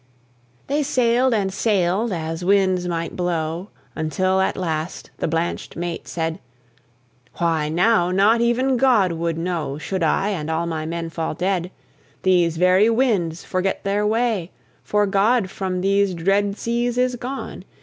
'" They sailed and sailed, as winds might blow, Until at last the blanch'd mate said; "Why, now, not even God would know Should I and all my men fall dead. These very winds forget their way, For God from these dread seas is gone.